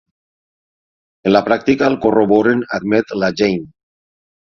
En la pràctica el corroboren —admet la Jane—.